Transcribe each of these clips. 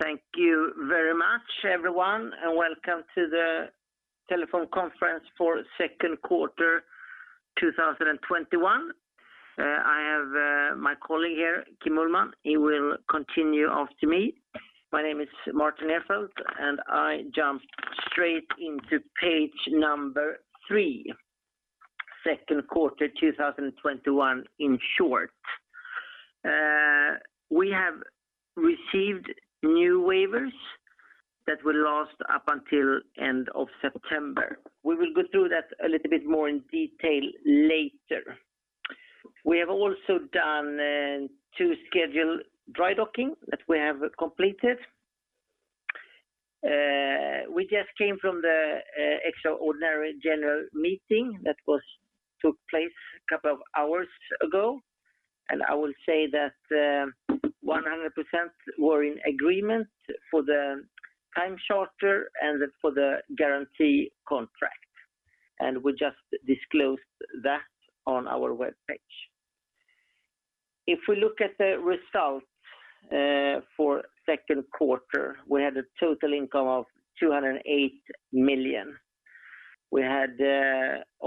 Thank you very much, everyone, and welcome to the telephone conference for second quarter 2021. I have my colleague here, Kim Ullman. He will continue after me. My name is Martin Nerfeldt, I jump straight into page number three, second quarter 2021 in short. We have received new waivers that will last up until end of September. We will go through that a little bit more in detail later. We have also done two scheduled dry docking that we have completed. We just came from the extraordinary general meeting that took place a couple of hours ago, I will say that 100% were in agreement for the time charter and for the guarantee contract. We just disclosed that on our webpage. If we look at the results for second quarter, we had a total income of 208 million. We had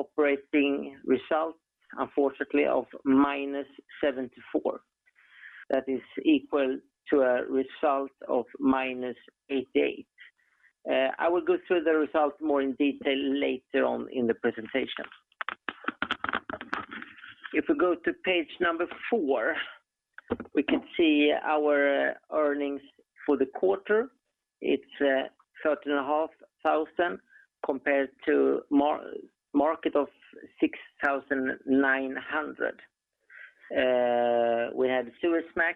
operating results, unfortunately, of -74 million. That is equal to a result of -88 million. I will go through the results more in detail later on in the presentation. If we go to page number four, we can see our earnings for the quarter. It's 30,500 compared to market of 6,900. We had Suezmax.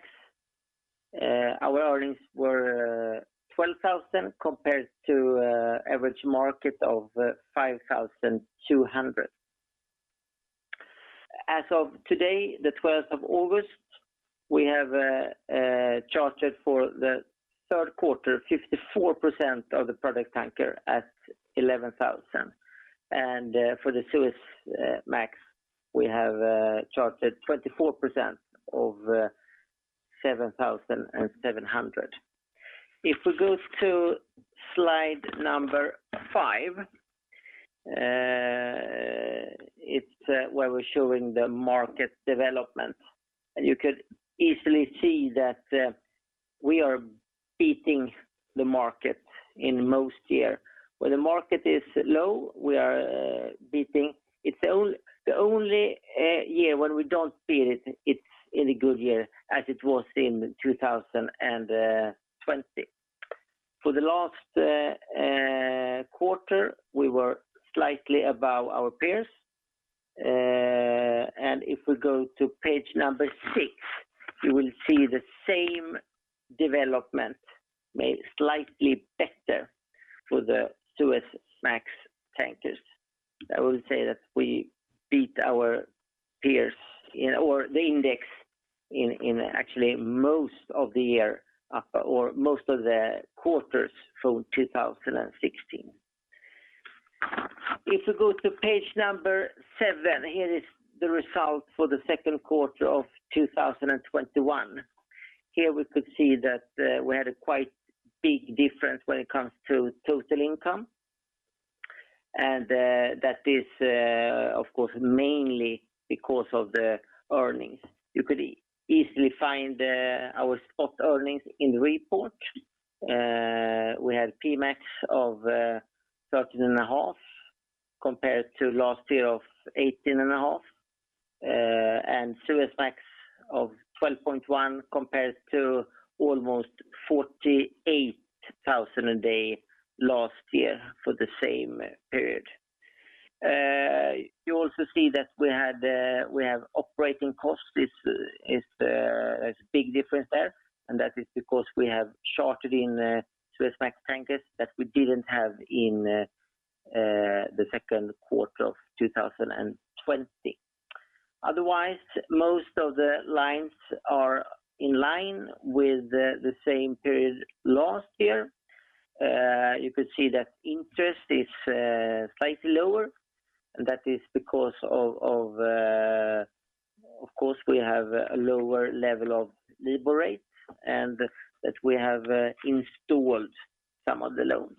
Our earnings were 12,000 compared to average market of 5,200. As of today, the 12th of August, we have chartered for the third quarter 54% of the product tanker at 11,000. For the Suezmax, we have chartered 24% of 7,700. If we go to slide number five, it's where we're showing the market development. You could easily see that we are beating the market in most year. Where the market is low, we are beating. The only year when we don't beat it's in a good year as it was in 2020. For the last quarter, we were slightly above our peers. If we go to page six, you will see the same development, made slightly better for the Suezmax tankers. I will say that we beat our peers or the index in actually most of the year or most of the quarters from 2016. If you go to page seven, here is the result for the second quarter of 2021. Here we could see that we had a quite big difference when it comes to total income. That is, of course, mainly because of the earnings. You could easily find our spot earnings in the report. We had P-MAX of 13.5 million compared to last year of 18.5 million, and Suezmax of 12.1 million compared to almost 48,000 a day last year for the same period. You also see that we have operating costs. There's a big difference there, and that is because we have chartered in Suezmax tankers that we didn't have in the second quarter of 2020. Otherwise, most of the lines are in line with the same period last year. You could see that interest is slightly lower. That is because of course, we have a lower level of LIBOR rate and that we have installed some of the loans.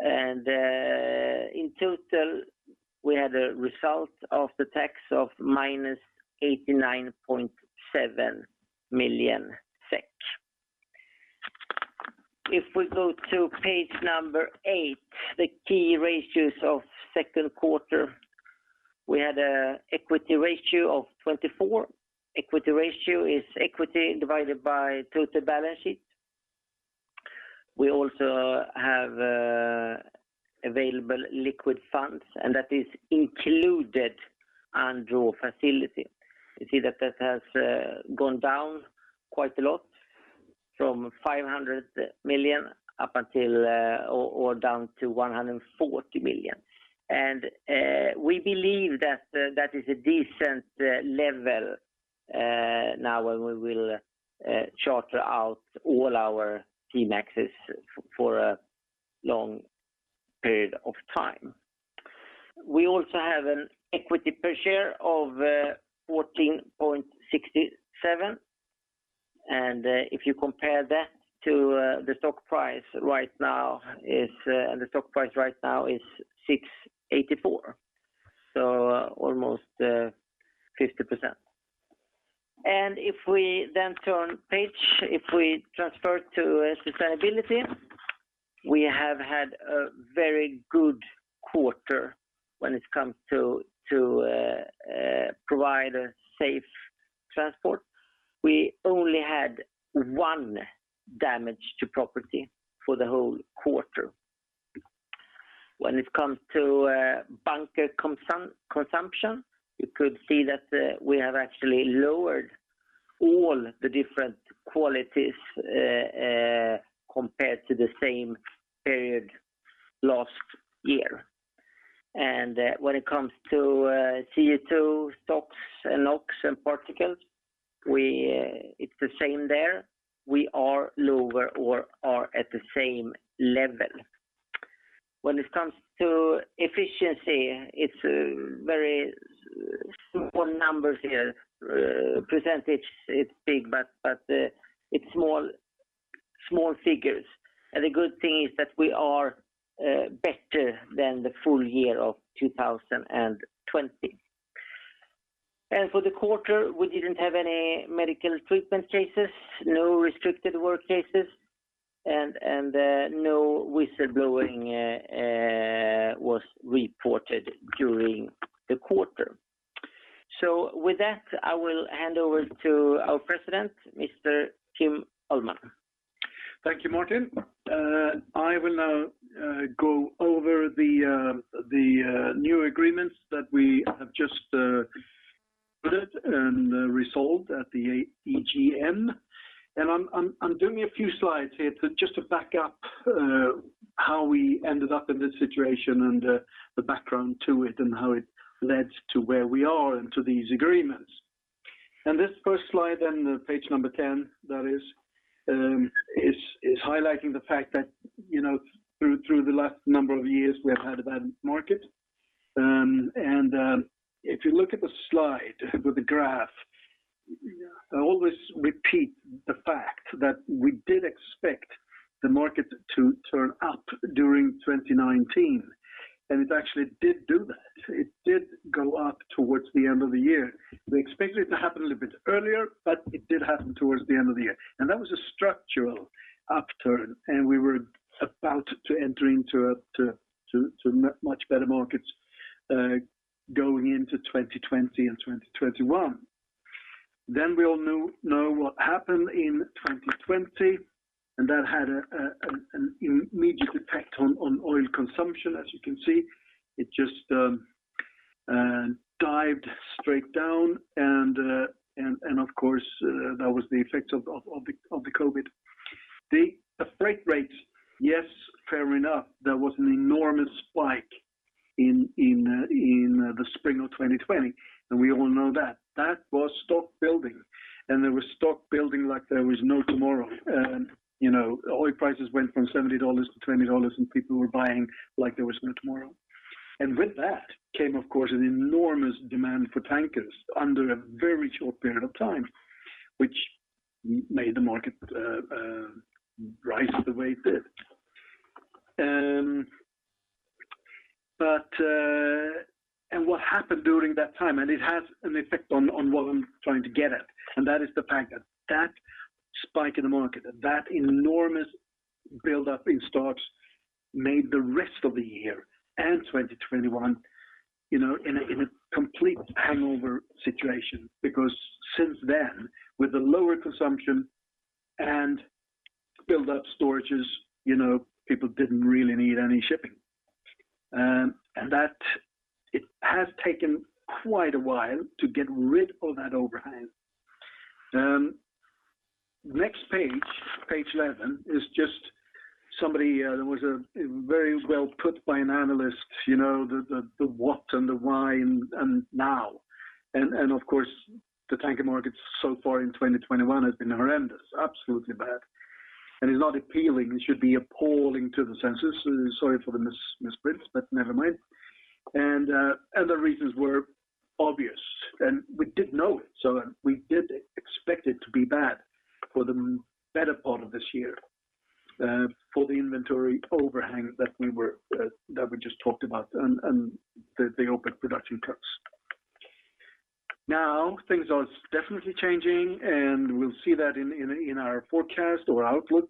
In total, we had a result of the tax of -89.7 million SEK. If we go to page number eight, the key ratios of second quarter, we had a equity ratio of 24%. Equity ratio is equity divided by total balance sheet. We also have available liquid funds, and that is included undrawn facility. You see that has gone down quite a lot from 500 million up until or down to 140 million. We believe that that is a decent level now when we will charter out all our P-MAX for a long period of time. We also have an equity per share of 14.67, and if you compare that to the stock price right now, is 6.84. Almost 50%. If we then turn page, if we transfer to sustainability, we have had a very good quarter when it comes to provide a safe transport. We only had one damage to property for the whole quarter. When it comes to bunker consumption, you could see that we have actually lowered all the different qualities compared to the same period last year. When it comes to CO2, SOx, and NOx, and particles, it's the same there. We are lower or are at the same level. When it comes to efficiency, it's very simple numbers here. Percentage, it's big, but it's small figures. The good thing is that we are better than the full year of 2020. For the quarter, we didn't have any medical treatment cases, no restricted work cases, and no whistleblowing was reported during the quarter. With that, I will hand over to our President, Mr. Kim Ullman. Thank you, Martin. I will now go over the new agreements that we have just put it and resolved at the EGM. I'm doing a few slides here to just to back up how we ended up in this situation and the background to it and how it led to where we are and to these agreements. This first slide and the page number 10, that is highlighting the fact that through the last number of years, we have had a bad market. If you look at the slide with the graph, I always repeat the fact that we did expect the market to turn up during 2019, and it actually did do that. It did go up towards the end of the year. We expected it to happen a little bit earlier, but it did happen towards the end of the year. That was a structural upturn, and we were about to enter into much better markets, going into 2020 and 2021. We all know what happened in 2020, and that had an immediate effect on oil consumption, as you can see. It just dived straight down and of course, that was the effect of the COVID. The freight rates, yes, fair enough, there was an enormous spike in the spring of 2020. We all know that. That was stock building. There was stock building like there was no tomorrow. Oil prices went from $70 to $20, and people were buying like there was no tomorrow. With that came, of course, an enormous demand for tankers under a very short period of time, which made the market rise the way it did. What happened during that time, and it has an effect on what I'm trying to get at. That is the fact that that spike in the market, that enormous buildup in stocks made the rest of the year and 2021 in a complete hangover situation. Since then, with the lower consumption and built up storages, people didn't really need any shipping. That it has taken quite a while to get rid of that overhang. Next page 11, there was a very well put by an analyst, the what and the why and now. Of course, the tanker market so far in 2021 has been horrendous. Absolutely bad. It's not appealing. It should be appalling to the senses. Sorry for the misprint, but never mind. The reasons were obvious, and we did know it. We did expect it to be bad for the better part of this year, for the inventory overhang that we just talked about and the OPEC production cuts. Things are definitely changing, and we'll see that in our forecast or outlook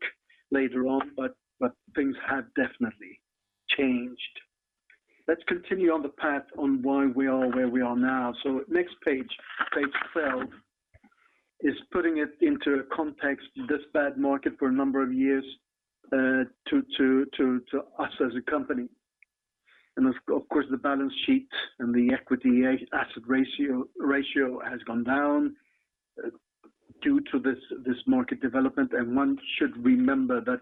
later on, but things have definitely changed. Let's continue on the path on why we are where we are now. Next page 12, is putting it into context, this bad market for a number of years, to us as a company. Of course, the balance sheet and the equity asset ratio has gone down due to this market development. One should remember that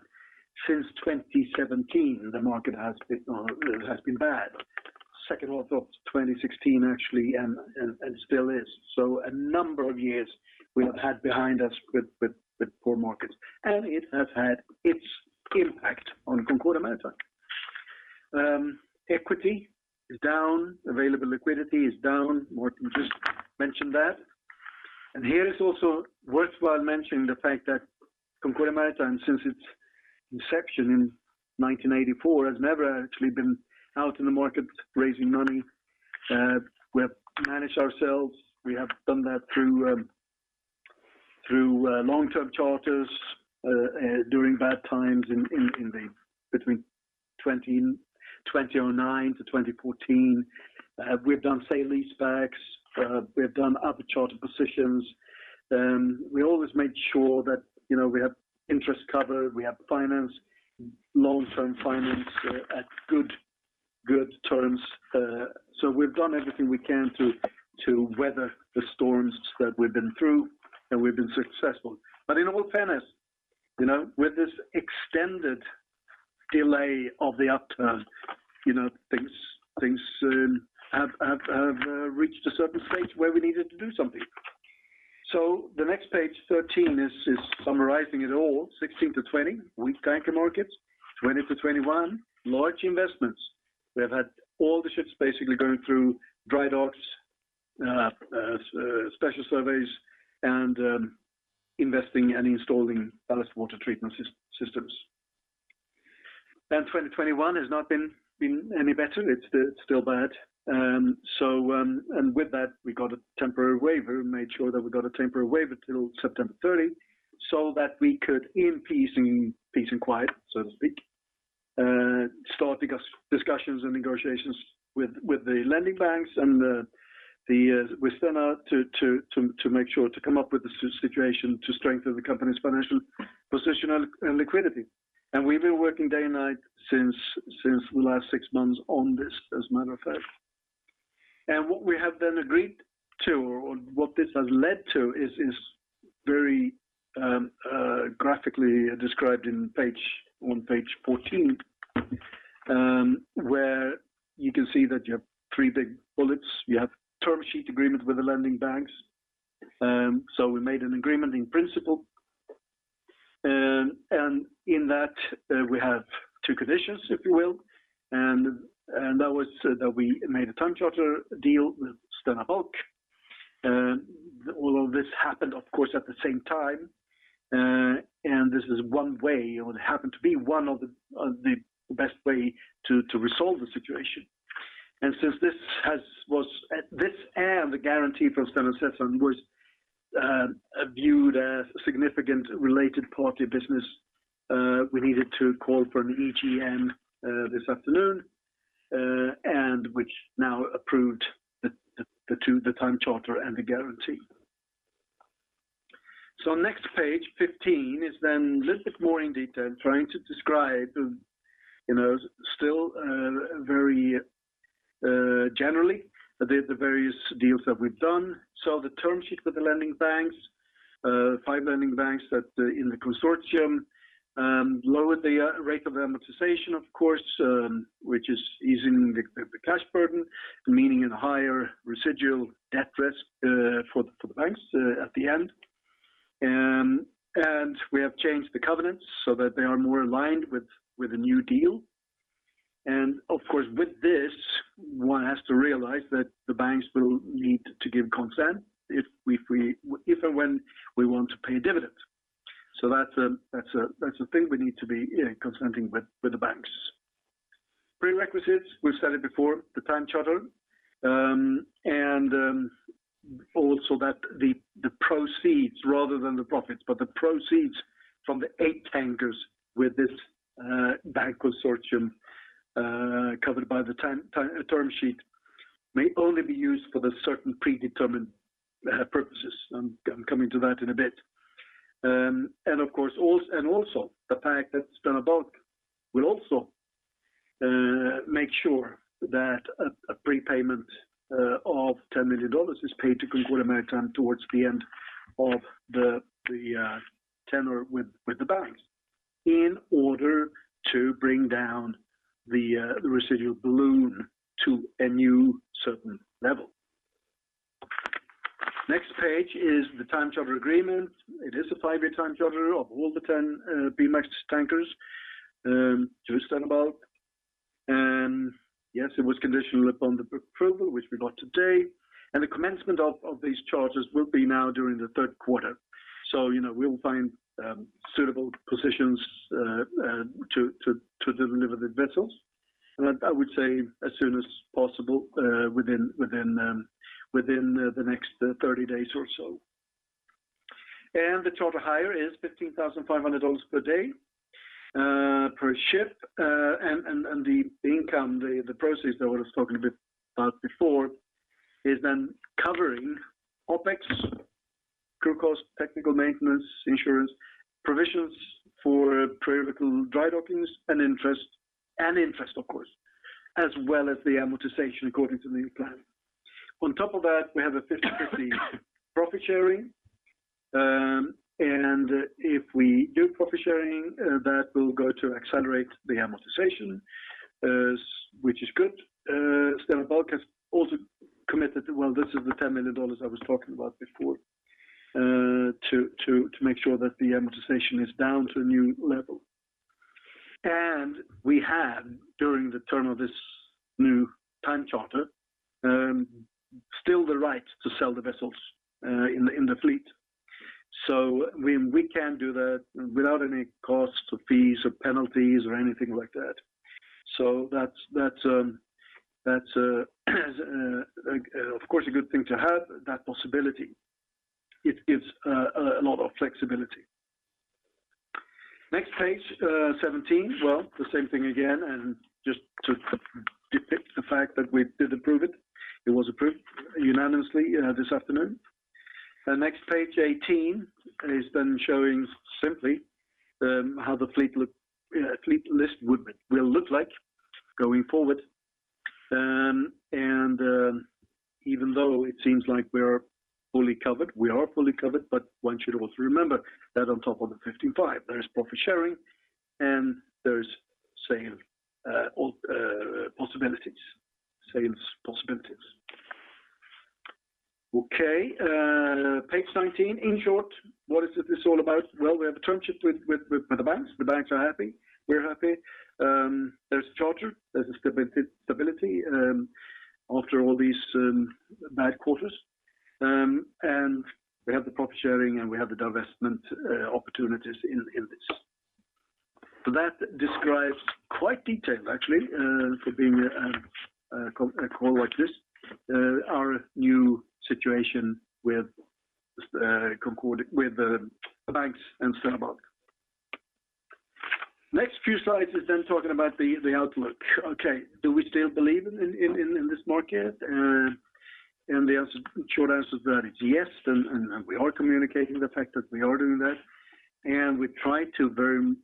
since 2017, the market has been bad. Second half of 2016, actually, and still is. A number of years we have had behind us with poor markets. It has had its impact on Concordia Maritime. Equity is down, available liquidity is down. Martin just mentioned that. Here it's also worthwhile mentioning the fact that Concordia Maritime, since its inception in 1984, has never actually been out in the market raising money. We have managed ourselves. We have done that through long-term charters during bad times between 2009-2014. We've done sale leasebacks. We've done other charter positions. We always made sure that we have interest covered, we have finance, long-term finance at good terms. We've done everything we can to weather the storms that we've been through, and we've been successful. In all fairness, with this extended delay of the upturn, things have reached a certain stage where we needed to do something. The next page, 13, is summarizing it all. 2016-2020, weak tanker markets. 2020-2021, large investments. We have had all the ships basically going through dry docks, special surveys, and investing and installing ballast water treatment systems. 2021 has not been any better. It's still bad. With that, we got a temporary waiver, made sure that we got a temporary waiver till September 30, so that we could, in peace and quiet, so to speak, start discussions and negotiations with the lending banks and with Stena to make sure to come up with a situation to strengthen the company's financial position and liquidity. We've been working day and night since the last six months on this, as a matter of fact. What we have then agreed to, or what this has led to is very graphically described on page 14, where you can see that you have three big bullets. You have term sheet agreement with the lending banks. We made an agreement in principle. In that, we have two conditions, if you will, and that was that we made a time charter deal with Stena Bulk. All of this happened, of course, at the same time. This is one way, or it happened to be one of the best way to resolve the situation. Since this and the guarantee from Stena Sessan was viewed as significant related party business, we needed to call for an EGM this afternoon, and which now approved the time charter and the guarantee. Next page, 15, is then a little bit more in detail, trying to describe, still very generally, the various deals that we've done. The term sheet with the lending banks, five lending banks in the consortium lowered the rate of amortization, of course, which is easing the cash burden, meaning a higher residual debt risk for the banks at the end. We have changed the covenants so that they are more aligned with the new deal. Of course, with this, one has to realize that the banks will need to give consent if and when we want to pay dividends. That's a thing we need to be consenting with the banks. Prerequisites, we've said it before, the time charter, and also that the proceeds rather than the profits, but the proceeds from the eight tankers with this bank consortium, covered by the term sheet, may only be used for the certain predetermined purposes. I'm coming to that in a bit. Also the fact that Stena Bulk will also make sure that a prepayment of $10 million is paid to Concordia Maritime towards the end of the tenor with the banks in order to bring down the residual balloon to a new certain level. Next page is the time charter agreement. It is a five-year time charter of all the 10 P-MAX tankers to Stena Bulk. Yes, it was conditional upon the approval, which we got today. The commencement of these charters will be now during the third quarter. We'll find suitable positions to deliver the vessels, I would say as soon as possible within the next 30 days or so. The charter hire is $15,500 per day per ship. The income, the proceeds that I was talking a bit about before, is then covering OpEx, crew cost, technical maintenance, insurance, provisions for periodical dry dockings, and interest, of course, as well as the amortization according to the plan. On top of that, we have a 50/50 profit sharing. If we do profit sharing, that will go to accelerate the amortization, which is good. Stena Bulk has also committed, well, this is the $10 million I was talking about before. To make sure that the amortization is down to a new level. We had, during the term of this new time charter, still the right to sell the vessels in the fleet. We can do that without any costs or fees or penalties or anything like that. That's, of course, a good thing to have, that possibility. It gives a lot of flexibility. Next page, 17. Well, the same thing again, just to depict the fact that we did approve it. It was approved unanimously this afternoon. Page 18 is showing simply how the fleet list will look like going forward. Even though it seems like we are fully covered, we are fully covered, one should also remember that on top of the 15.5 million, there is profit sharing and there is sale possibilities. Okay. Page 19. In short, what is this all about? Well, we have a term sheet with the banks. The banks are happy. We're happy. There's a charter. There's a stability after all these bad quarters. We have the profit sharing, and we have the divestment opportunities in this. That describes quite detailed actually, for being a call like this, our new situation with the banks and Stena Bulk. Next few slides is then talking about the outlook. Okay. Do we still believe in this market? The short answer to that is yes, and we are communicating the fact that we are doing that. We try to very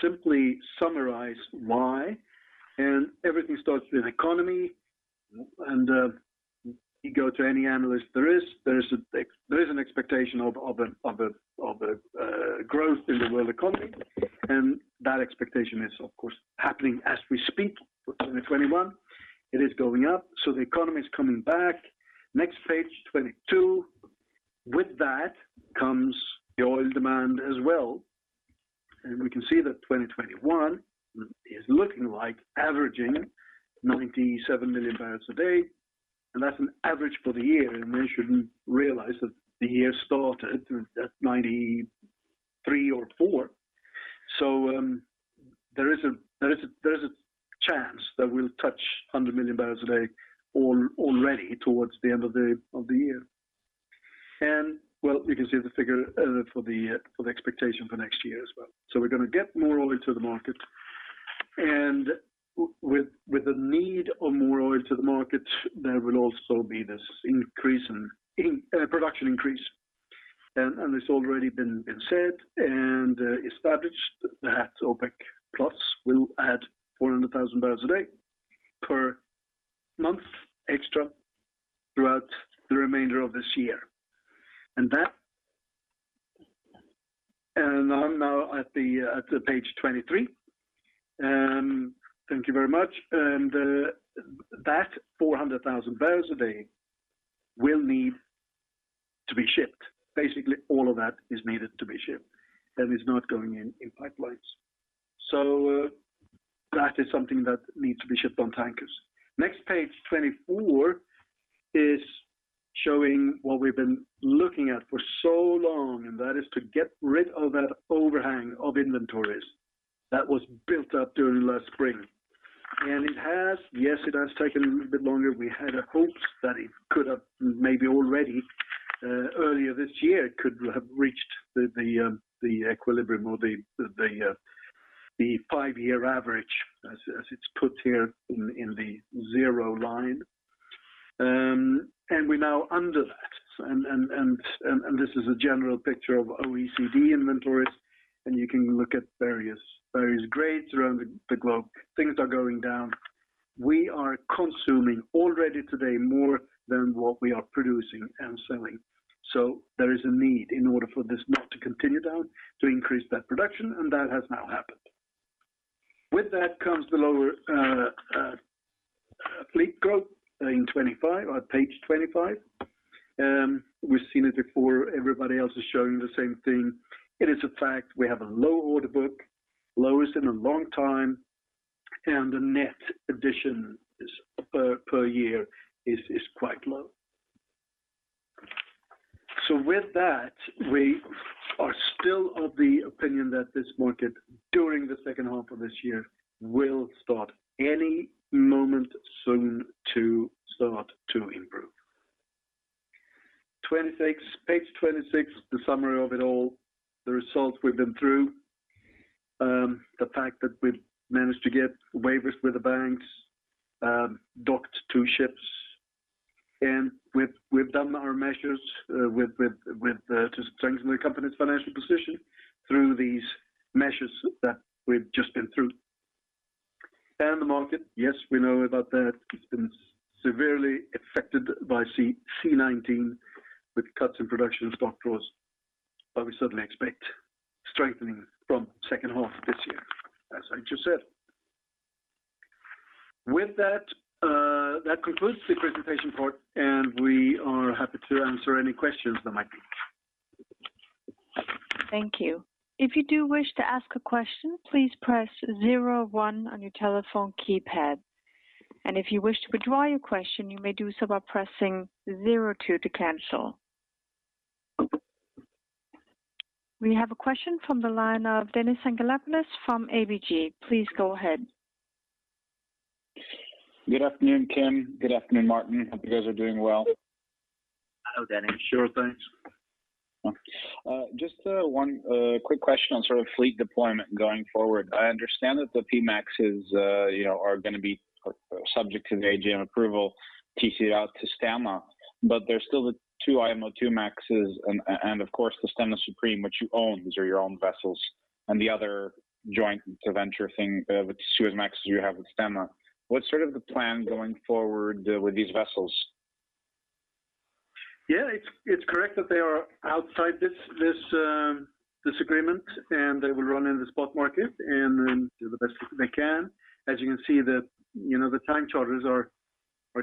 simply summarize why, and everything starts with economy. You go to any analyst there is, there is an expectation of a growth in the world economy. That expectation is, of course, happening as we speak for 2021. It is going up, so the economy is coming back. Next page, 22. With that comes the oil demand as well. We can see that 2021 is looking like averaging 97 million barrels a day, and that's an average for the year. One should realize that the year started at 93 million barrels or 94 million barrels. There is a chance that we'll touch 100 million barrels a day already towards the end of the year. Well, you can see the figure for the expectation for next year as well. We're going to get more oil into the market. With the need of more oil to the market, there will also be this production increase. It's already been said and established that OPEC+ will add 400,000 barrels a day per month extra throughout the remainder of this year. I'm now at the page 23. Thank you very much. That 400,000 barrels a day will need to be shipped. Basically, all of that is needed to be shipped. That is not going in pipelines. That is something that needs to be shipped on tankers. Next page, 24, is showing what we've been looking at for so long, that is to get rid of that overhang of inventories that was built up during last spring. It has, yes, it has taken a little bit longer. We had hopes that it could have maybe already, earlier this year, could have reached the equilibrium or the five-year average as it's put here in the zero line. We're now under that. This is a general picture of OECD inventories, and you can look at various grades around the globe. Things are going down. We are consuming already today more than what we are producing and selling. There is a need in order for this not to continue down, to increase that production, and that has now happened. With that comes the lower fleet growth in 25, page 25. We've seen it before. Everybody else is showing the same thing. It is a fact, we have a low order book, lowest in a long time, and the net addition per year is quite low. With that, we are still of the opinion that this market, during the second half of this year, will start any moment soon to start to improve. 26, page 26, the summary of it all, the results we've been through. The fact that we've managed to get waivers with the banks, docked two ships, and we've done our measures to strengthen the company's financial position through these measures that we've just been through. The market, yes, we know about that. It's been severely affected by C-19 with cuts in production and stock draws. We certainly expect strengthening from second half of this year, as I just said. With that concludes the presentation part, and we are happy to answer any questions there might be. Thank you. If you do wish to ask a question, please press zero one on your telephone keypad. If you wish to withdraw your question, you may do so by pressing zero to cancel. We have a question from the line of Dennis Anghelopoulos from ABG. Please go ahead. Good afternoon, Kim. Good afternoon, Martin. Hope you guys are doing well. Hello, Dennis. Sure thing. Okay. Just one quick question on sort of fleet deployment going forward. I understand that the P-MAXs are going to be subject to the EGM approval, TC'ed out to Stena. There's still the two IMOIIMAXs and of course the Stena Supreme, which you own. These are your own vessels, and the other joint venture thing with Suezmax you have with Stena. What's sort of the plan going forward with these vessels? It's correct that they are outside this agreement, and they will run in the spot market and then do the best they can. As you can see, the time charters are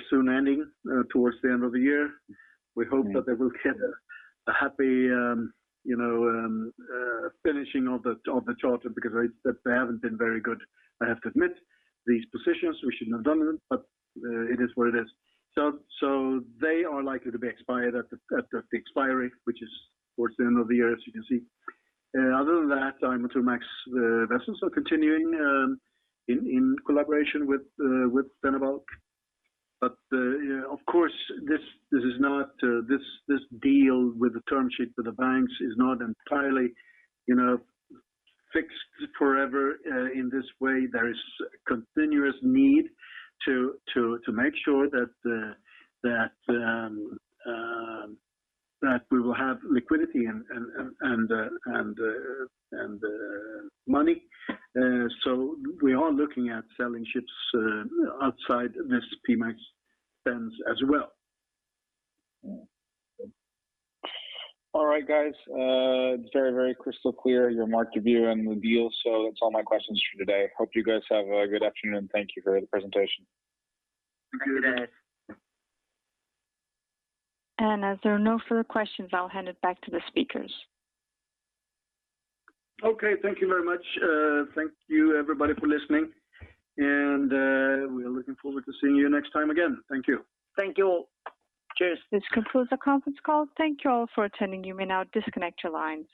soon ending towards the end of the year. We hope that they will get a happy finishing of the charter because they haven't been very good, I have to admit. These positions, we shouldn't have done them, but it is what it is. They are likely to be expired at the expiry, which is towards the end of the year, as you can see. Other than that, IMOIIMAX vessels are continuing in collaboration with Stena Bulk. Of course, this deal with the term sheet for the banks is not entirely fixed forever in this way. There is a continuous need to make sure that we will have liquidity and money. We are looking at selling ships outside this P-MAX 10s as well. All right, guys. It's very, very crystal clear your market view and the deal, so that's all my questions for today. Hope you guys have a good afternoon. Thank you for the presentation. Thank you, Dennis. As there are no further questions, I'll hand it back to the speakers. Okay, thank you very much. Thank you everybody for listening, and we are looking forward to seeing you next time again. Thank you. Thank you all. Cheers. This concludes the conference call. Thank you all for attending. You may now disconnect your lines.